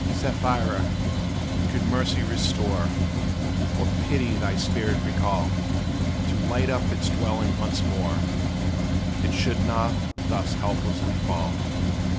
Sapphira, could Mercy restore, Or Pity thy spirit recall, To light up its dwelling once more, It should not thus hopelessly fall.